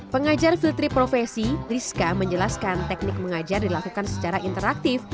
pengajar field trip profesi rizka menjelaskan teknik mengajar dilakukan secara interaktif